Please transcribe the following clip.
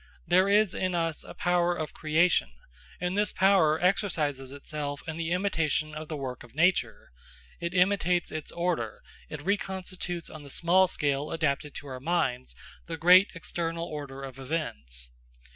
There is in us a power of creation, and this power exercises itself in the imitation of the work of nature; it imitates its order, it reconstitutes on the small scale adapted to our minds, the great external order of events.